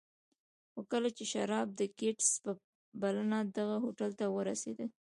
خو کله چې شواب د ګيټس په بلنه دغه هوټل ته ورسېد.